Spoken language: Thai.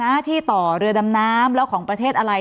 อายุเรือนำน้ำ